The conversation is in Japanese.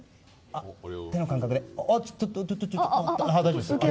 手の感覚で。